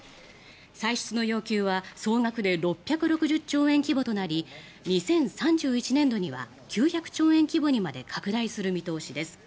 歳出の要求は総額で６６０兆円規模となり２０３１年度には９００兆円超規模にまで拡大する見通しです。